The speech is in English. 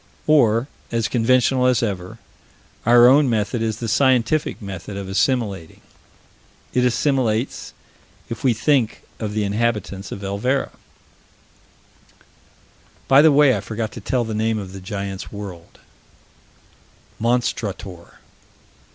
Or, as conventional as ever, our own method is the scientific method of assimilating. It assimilates, if we think of the inhabitants of Elvera By the way, I forgot to tell the name of the giant's world: Monstrator.